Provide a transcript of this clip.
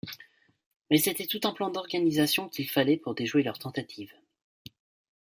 Mais c'était tout un plan d'organisation qu'il fallait pour déjouer leurs tentatives.